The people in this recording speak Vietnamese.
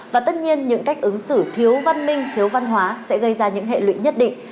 và tất nhiên những cách ứng xử thiếu văn minh thiếu văn hóa sẽ gây ra những hệ lụy nhất định